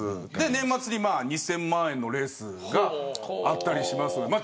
年末に、２０００万円のレースがあったりします。